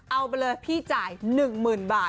เอาไปเลยพี่จ่าย๑๐๐๐บาท